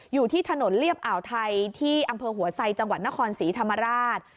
อยู่ที่ถนนเรียบอ่าวไทยที่อำเภอหัวไซจังหวัดนครศรีธรรมราช